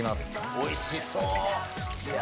おいしそう！